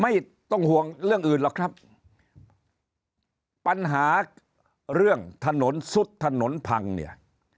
ไม่ต้องห่วงเรื่องอื่นหรอกครับปัญหาเรื่องถนนซุดถนนพังเนี่ย